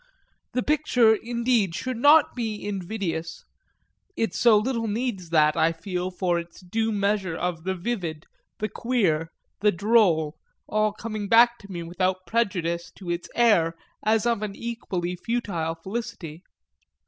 The picture indeed should not be invidious it so little needs that, I feel, for its due measure of the vivid, the queer, the droll, all coming back to me without prejudice to its air as of an equally futile felicity.